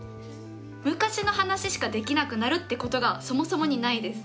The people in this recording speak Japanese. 昔の話しかできなくなるってことがそもそもにないです。